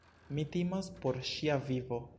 Mi timas por ŝia vivo.